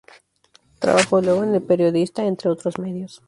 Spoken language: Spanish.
Trabajó luego en "El Periodista", entre otros medios.